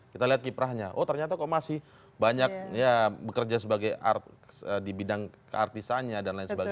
kita lihat kiprahnya oh ternyata kok masih banyak ya bekerja sebagai art di bidang keartisannya dan lain sebagainya